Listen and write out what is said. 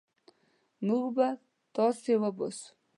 موږ به تاسي وباسو.